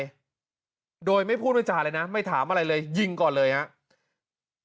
เลยโดยไม่พูดไม่จาเลยนะไม่ถามอะไรเลยยิงก่อนเลยครับ